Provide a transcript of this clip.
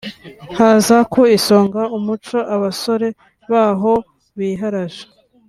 haza ku isonga umuco abasore baho biharaje